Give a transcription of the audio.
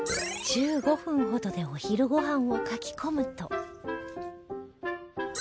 １５分ほどでお昼ご飯をかき込むと